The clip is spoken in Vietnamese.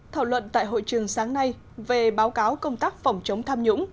thảo luận tại hội trường sáng nay về báo cáo công tác phòng chống tham nhũng